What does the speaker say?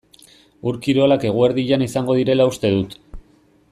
Ur-kirolak eguerdian izango direla uste dut.